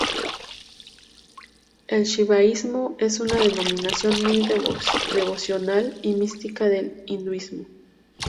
El shivaísmo es una denominación muy devocional y mística del hinduismo.